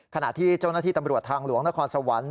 ขณะที่เจ้าหน้าที่ตำรวจทางหลวงนครสวรรค์